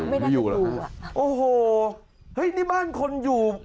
อาทิตย์๙อาทิตย์